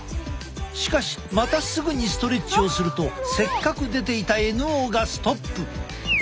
しかしまたすぐにストレッチをするとせっかく出ていたＮＯがストップ！